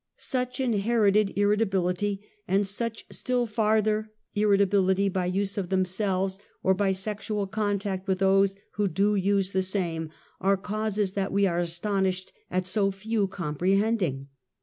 Such inherited irritability, and such still farther irritability by use themselves, or by sexual contact with those who do use the same, are causes that we lare astonished at so few comprehending.